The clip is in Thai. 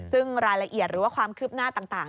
ซึ่งรายละเอียดหรือว่าความคืบหน้าต่าง